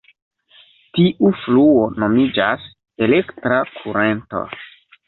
Tiu fluo nomiĝas "elektra kurento".